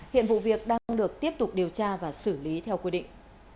hiện vụ việc đang được tiếp tục điều tra và xử lý theo quy định